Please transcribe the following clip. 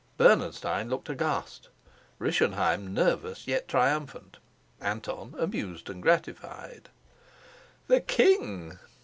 Bernenstein looked aghast, Rischenheim nervous yet triumphant, Anton amused and gratified. "The king!"